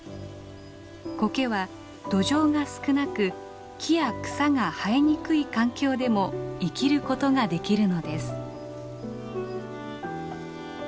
コケは土壌が少なく木や草が生えにくい環境でも生きることができるのです。